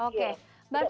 oke mbak fitri